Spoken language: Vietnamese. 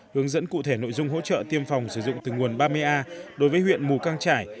hướng dẫn cụ thể nội dung hỗ trợ tiêm phòng sử dụng từ nguồn ba mươi a đối với huyện mù căng trải